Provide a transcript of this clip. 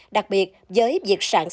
đặc biệt với việc sản xuất